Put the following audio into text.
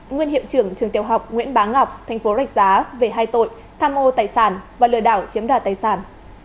nguyên hiệu trưởng trường tiểu học nguyễn bá ngọc tp đạch giá về hai tội tham mô tài sản và lừa đảo chiếm đoạt tài sản